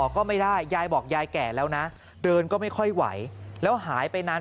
ก็ไม่ได้ยายบอกยายแก่แล้วนะเดินก็ไม่ค่อยไหวแล้วหายไปนาน